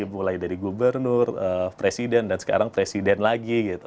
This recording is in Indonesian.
mulai dari gubernur presiden dan sekarang presiden lagi gitu